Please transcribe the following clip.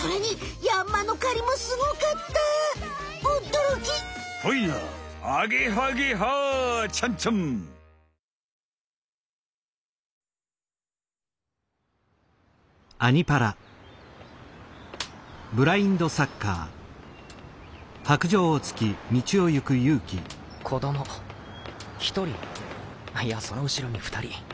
いやその後ろに２人。